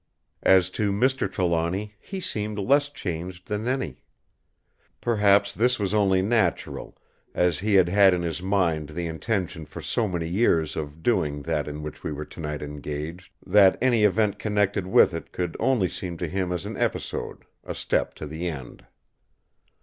As to Mr. Trelawny he seemed less changed than any. Perhaps this was only natural, as he had had in his mind the intention for so many years of doing that in which we were tonight engaged, that any event connected with it could only seem to him as an episode, a step to the end.